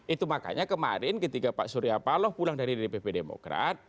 itu makanya kemarin ketika pak surya paloh pulang dari dpp demokrat